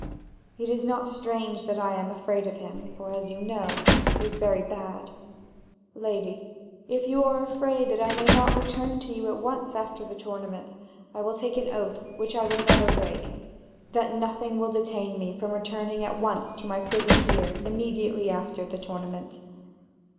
It is not strange that I am afraid of him, for, as you know, he is very bad." "Lady, if you are afraid that I may not return to you at once after the tournament, I will take an oath which I will never break, that nothing will detain me from returning at once to my prison here immediately after the tournament."